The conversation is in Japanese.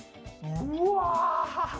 「うわ！